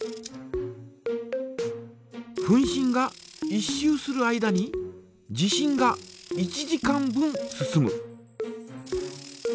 分針が１周する間に時針が１時間分進む。